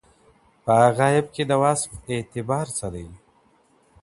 په غائب کې د وصف اعتبار څه دی؟